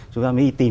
chúng ta mới tìm